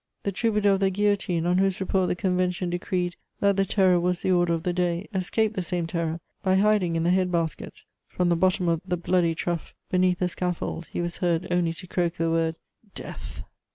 The troubadour of the guillotine, on whose report the Convention decreed that the Terror was the order of the day, escaped the same Terror by hiding in the head basket; from the bottom of the bloody trough, beneath the scaffold, he was heard only to croak the word, "Death!"